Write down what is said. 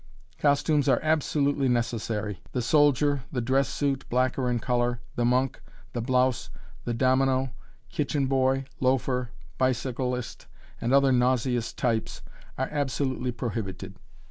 Costumes are absolutely necessary. The soldier the dress suit, black or in color the monk the blouse the domino kitchen boy loafer bicyclist, and other nauseous types, are absolutely prohibited.